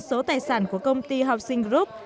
số tài sản của công ty hocsing group